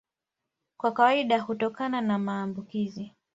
Kwa kawaida hutokana na maambukizi.